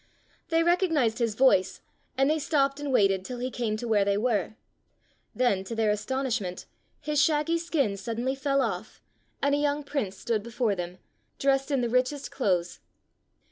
They recognized his voice, and they stopped and waited till he came to where they were. Then, to their astonishment, his shaggy skin suddenly fell off, and a young prince stood before them, dressed in the rich est clothes.